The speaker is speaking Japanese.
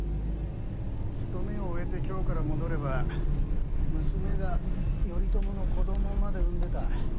務めを終えて京から戻れば娘が頼朝の子供まで産んでた。